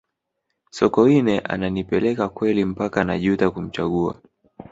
sokoine ananipeleka kweli mpaka najuta kumchagua